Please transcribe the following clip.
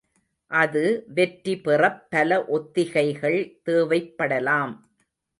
அது வெற்றி பெறப் பல ஒத்திகைகள் தேவைப்படலாம்.